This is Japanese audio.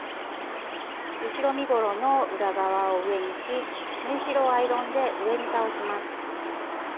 後ろ身ごろの裏側を上にし縫い代をアイロンで上に倒します。